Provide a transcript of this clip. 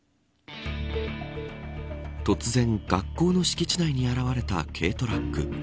突然、学校の敷地内に現れた軽トラック。